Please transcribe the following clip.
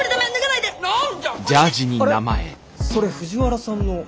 それ藤原さんの。